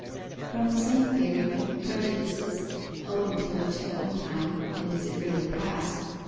From the same theory come the prejudices, owing to which at one time (and is it really passed?)